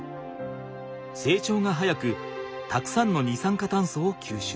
せいちょうが早くたくさんの二酸化炭素を吸収する。